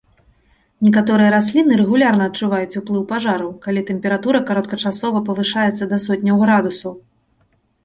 Некаторыя расліны рэгулярна адчуваюць уплыў пажараў, калі тэмпература кароткачасова павышаецца да сотняў градусаў.